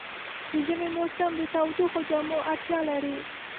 د ژمي موسم د تودو جامو اړتیا لري.